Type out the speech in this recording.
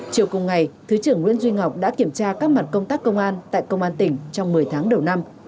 chiều cùng ngày thứ trưởng nguyễn duy ngọc đã kiểm tra các mặt công tác công an tại công an tỉnh trong một mươi tháng đầu năm